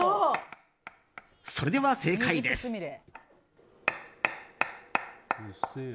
それでは正解です。